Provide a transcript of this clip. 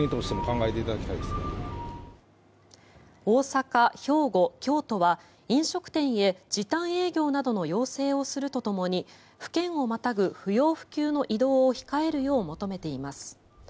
大阪、兵庫、京都は飲食店へ時短営業などの要請をするとともに府県をまたぐ不要不急の移動を控えるよう求めています。